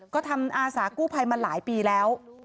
ก็ทำอาสากู้ภัยมาหลายปีแล้ว